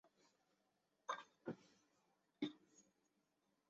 俄罗斯蓝猫起名为其身上蓝色间杂银色渐层的毛发。